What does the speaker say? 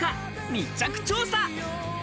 密着調査。